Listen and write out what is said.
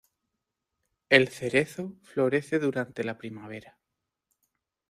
El cerezo florece durante la primavera.